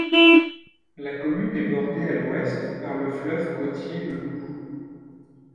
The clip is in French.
La commune est bordée à l'ouest par le fleuve côtier le Loup.